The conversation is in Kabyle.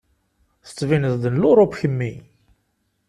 Tettbineḍ-d n Luṛup kemmi.